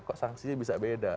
kok sanksinya bisa beda